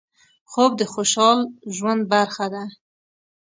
خوب د خوشحال ژوند برخه ده